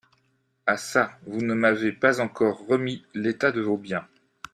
Ah çà ! vous ne m’avez pas encore remis l’état de vos biens.